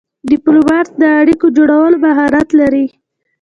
ډيپلومات د اړیکو جوړولو مهارت لري.